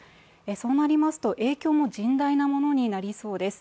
そうなりますと影響も甚大なものになりそうです。